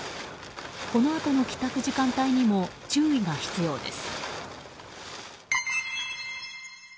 このあとの帰宅時間帯にも注意が必要です。